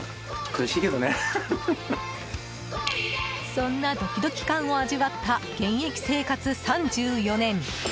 そんなドキドキ感を味わった現役生活３４年。